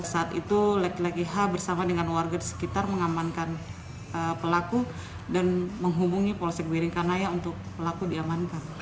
saat itu lek lekiha bersama dengan warga di sekitar mengamankan pelaku dan menghubungi polisi biringkanaya untuk pelaku diamankan